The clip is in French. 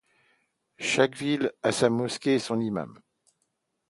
Chaque village a sa mosquée et son imam.